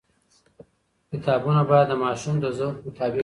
کتابونه باید د ماشوم د ذوق مطابق وي.